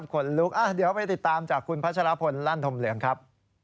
คนลุกเดี๋ยวไปติดตามจากคุณพัชรพลลั่นธมเหลืองครับ